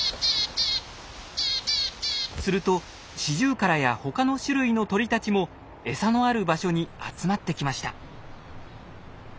するとシジュウカラや他の種類の鳥たちもエサのある場所に集まってきました。